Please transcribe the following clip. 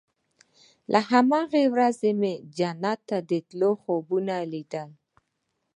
له هماغې ورځې مې جنت ته د تلو خوبونه ليدل.